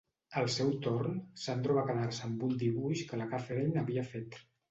Al seu torn, Sandro va quedar-se amb un dibuix que la Catherine havia fet.